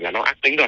là nó ác tính thôi